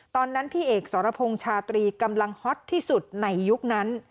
ตอนนั้นพี่เอกสรพงษ์ชาตรีกำลังฮอตที่สุดในยุคนั้น